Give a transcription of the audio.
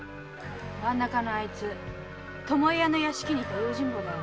真ん中のあいつ巴屋の屋敷にいた用心棒だよ。